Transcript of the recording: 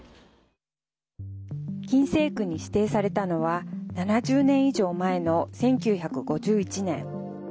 禁制区に指定されたのは７０年以上前の１９５１年。